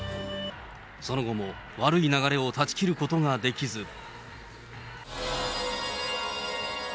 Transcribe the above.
その後も悪い流れを断ち切ることができず。